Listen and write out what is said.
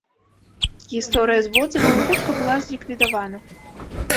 Гісторыя з водзывам хутка была зліквідавана.